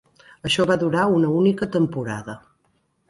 Això va durar una única temporada.